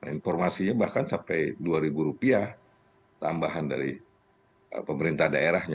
informasinya bahkan sampai dua ribu rupiah tambahan dari pemerintah daerahnya